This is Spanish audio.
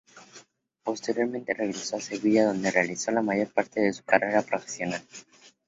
Posteriormente regresó a Sevilla, donde realizó la mayor parte de su carrera profesional.